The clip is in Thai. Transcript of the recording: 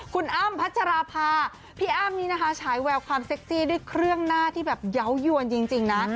คุณอ้ำพัชราภาพี่อ้ำนี้นะคะฉายแววความเซ็กซี่ด้วยเครื่องหน้าที่แบบเยาว์ยวนจริงนะ